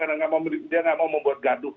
karena dia nggak mau membuat gaduh